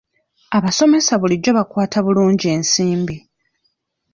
Abasomesa bulijjo bakwata bulungi ensimbi.